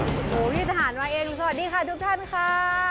โอ้โหพี่ทหารมาเองสวัสดีค่ะทุกท่านค่ะ